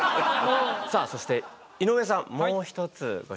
さあそして井上さんもう一つご紹介して頂けますか？